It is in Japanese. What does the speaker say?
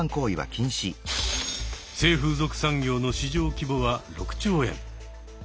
性風俗産業の市場規模は６兆円。